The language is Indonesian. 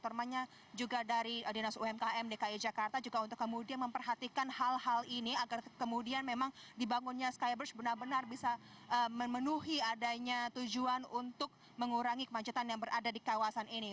terutamanya juga dari dinas umkm dki jakarta juga untuk kemudian memperhatikan hal hal ini agar kemudian memang dibangunnya skybridge benar benar bisa memenuhi adanya tujuan untuk mengurangi kemacetan yang berada di kawasan ini